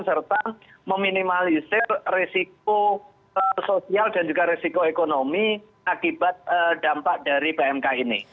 serta meminimalisir risiko sosial dan juga risiko ekonomi akibat dampak dari bmk ini